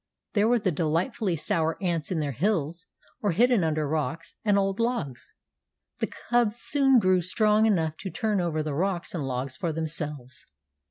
There were the delightfully sour ants in their hills or hidden under rocks and old logs. The cubs soon grew strong enough to turn over the rocks and logs for themselves.